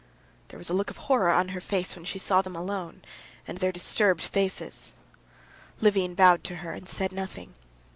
There was a look of horror on her face when she saw them alone, and their disturbed faces. Levin bowed to her, and said nothing.